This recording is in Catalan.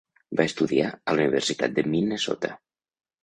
Va estudiar a la Universitat de Minnesota.